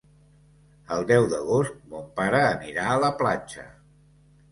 El deu d'agost mon pare anirà a la platja.